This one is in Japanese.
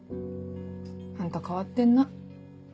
あんた変わってんな。